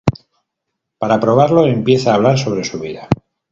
Para probarlo, empieza a hablar sobre su vida.